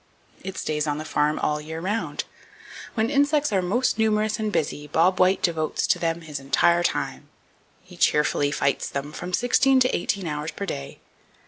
It stays on the farm all the year round. When insects are most numerous and busy, Bob White devotes to them his entire time. He cheerfully fights them, from sixteen to eighteen hours per day.